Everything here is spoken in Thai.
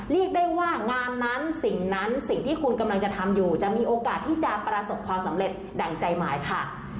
เรียกได้ว่างานนั้นสิ่งนั้นสิ่งที่คุณกำลังจะทำอยู่จะมีโอกาสที่จะประสบความสำเร็จดั่งใจหมายค่ะ